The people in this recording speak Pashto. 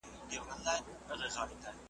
نو به ښه وي چي پیدا نه کړې بل ځل خر `